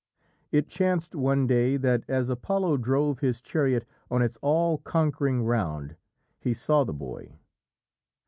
It chanced one day that as Apollo drove his chariot on its all conquering round, he saw the boy.